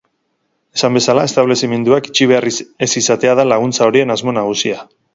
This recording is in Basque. Esan bezala, establezimenduak itxi behar ez izatea da laguntza horien asmo nagusia.